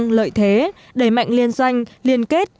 nâng lợi thế đẩy mạnh liên doanh liên kết